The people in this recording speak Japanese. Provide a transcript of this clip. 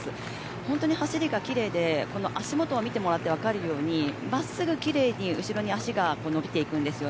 本当に走りが奇麗で足元を見てもらっても分かるように真っすぐ奇麗に後ろに足が伸びていくんです。